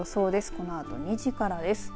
このあと２時からです。